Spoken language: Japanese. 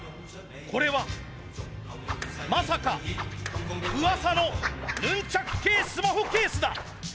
これはまさかうわさのヌンチャク系スマホケースだ。